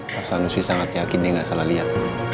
pak sanusi sangat yakin dia gak salah liat